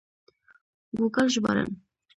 ګوګل ژباړن